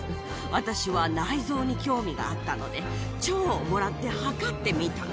私は内蔵に興味があったので、腸をもらって、測ってみたの。